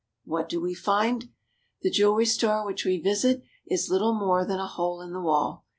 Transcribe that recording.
What do we find ? The jewelry store which we visit is little more than a hole in the wall.